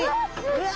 うわ！